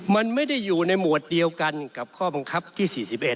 มันไม่ได้อยู่ในหมวดเดียวกันกับข้อบังคับที่๔๑